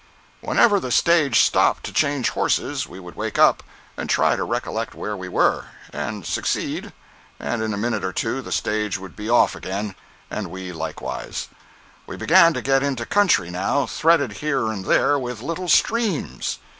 Whenever the stage stopped to change horses, we would wake up, and try to recollect where we were—and succeed—and in a minute or two the stage would be off again, and we likewise. We began to get into country, now, threaded here and there with little streams.